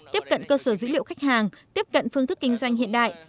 tiếp cận cơ sở dữ liệu khách hàng tiếp cận phương thức kinh doanh hiện đại